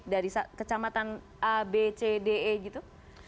dari kecamatan a b c d e gitu